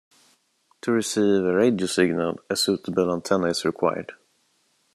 To receive a radio signal, a suitable antenna is required.